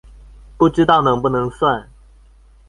不知道能不能算